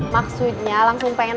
maksudnya langsung pengen